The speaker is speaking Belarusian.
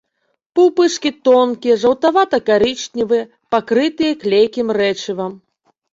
Пупышкі тонкія, жаўтавата- карычневыя, пакрытыя клейкім рэчывам.